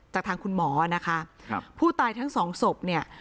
จากทางคุณหมอนะคะครับผู้ตายทั้งสองศพเนี่ย